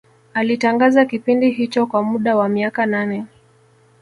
Alitangaza kipindi hicho kwa muda wa miaka nane